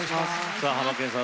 さあハマケンさん